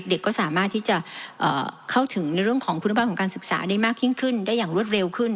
ก็สามารถที่จะเข้าถึงในเรื่องของคุณภาพของการศึกษาได้มากยิ่งขึ้นได้อย่างรวดเร็วขึ้น